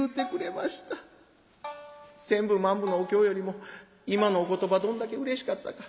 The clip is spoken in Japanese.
千部万部のお経よりも今のお言葉どんだけうれしかったか。